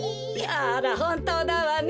あらほんとうだわね。